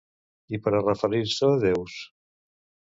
I per a referir-se a déus?